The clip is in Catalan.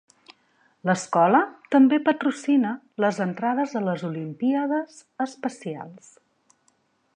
L'escola també patrocina les entrades a les Olimpíades Especials.